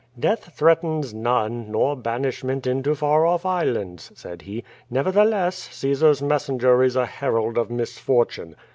"Death threatens none, nor banishment into far olT islands," said he. "Nevertheless, Caesar's messenger is a herald of misfortune.